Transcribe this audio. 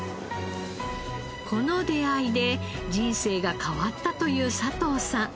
この出会いで人生が変わったという佐藤さん。